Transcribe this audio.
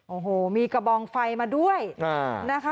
โอ้โหมีกระบองไฟมาด้วยนะคะ